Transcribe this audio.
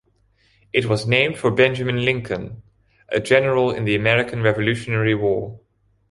It was named for Benjamin Lincoln, a general in the American Revolutionary War.